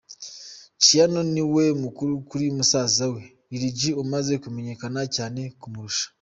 Ciano, niwe mukuru kuri musaza we, Lil-G, umaze kumenyekana cyane kumurusha.